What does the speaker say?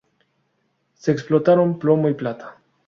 Se explotaron plomo y plata.